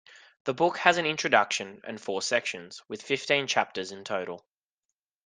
The book has an introduction and four sections, with fifteen chapters in total.